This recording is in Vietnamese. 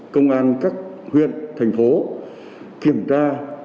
công an các huyện thành phố kiểm tra